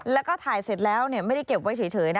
แล้วก็ถ่ายเสร็จแล้วไม่ได้เก็บไว้เฉยนะ